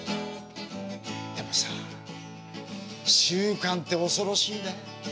でもさ習慣って恐ろしいね。